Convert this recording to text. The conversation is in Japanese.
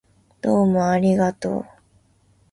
どうもありがとう